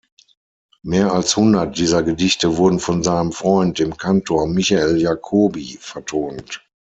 Mehr als hundert dieser Gedichte wurden von seinem Freund, dem Kantor Michael Jakobi, vertont.